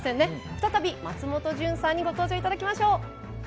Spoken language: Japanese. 再び松本潤さんにご登場いただきましょう。